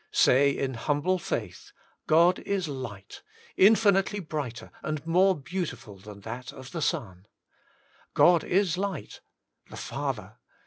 Say, in humble faith, God is light, infinitely brighter and more beautiful than that of the sun. God is light : the Father.